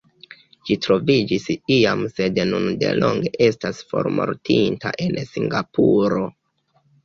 Ĝi troviĝis iam sed nun delonge estas formortinta en Singapuro.